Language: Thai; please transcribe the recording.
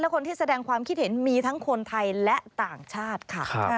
คนที่แสดงความคิดเห็นมีทั้งคนไทยและต่างชาติค่ะ